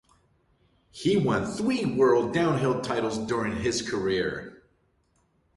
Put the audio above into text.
He won three world downhill titles during his career.